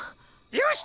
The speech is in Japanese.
よし！